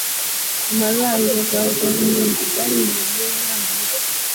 Amalwaliro ga gavumenti gali mu mbeera mbi.